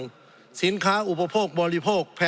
สงบจนจะตายหมดแล้วครับ